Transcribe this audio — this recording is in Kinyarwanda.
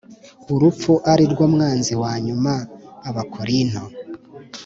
urupfu ari rwo mwanzi wa nyuma abakorinto